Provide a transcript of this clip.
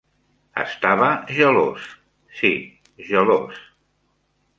Estava gelós - sí, gelós.